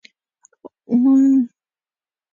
غول د اوسپنې زیاتوالی توروي.